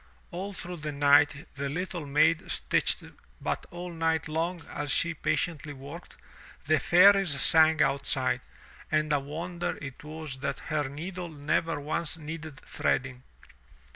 All through the night the little maid stitched, but all night long as she patiently worked, the fairies sang outside, and a wonder it was that her needle never once needed threading.